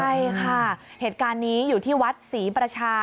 ใช่ค่ะเหตุการณ์นี้อยู่ที่วัดศรีประชา